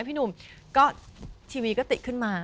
พี่หนุ่มก็ทีวีก็ติดขึ้นมา